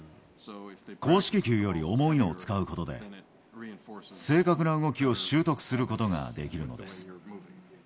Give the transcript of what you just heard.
硬式球より重いのを使うことで、正確な動きを習得することができるのです。